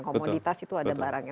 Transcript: komoditas itu ada barangnya